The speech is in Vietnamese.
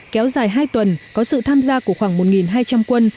kéo dài hai tuần có sự tham gia của khoảng một hai trăm linh quân